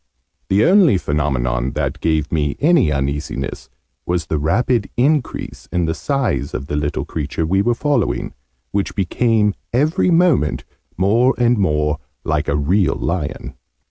The only phenomenon, that gave me any uneasiness, was the rapid increase in the size of the little creature we were following, which became every moment more and more like a real lion.